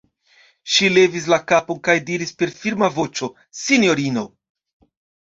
Ŝi levis la kapon kaj diris per firma voĉo: -- Sinjorino!